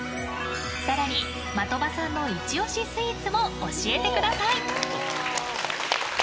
更に、的場さんのイチ押しスイーツも教えてください。